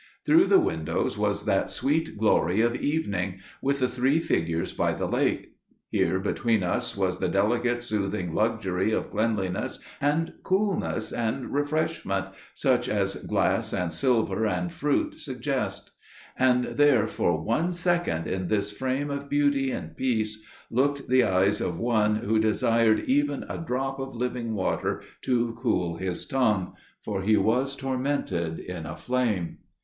Through the windows was that sweet glory of evening––with the three figures by the lake. Here, between us, was the delicate soothing luxury of cleanliness and coolness and refreshment, such as glass and silver and fruit suggest: and there for one second in this frame of beauty and peace looked the eyes of one who desired even a drop of living water to cool his tongue, for he was tormented in a flame.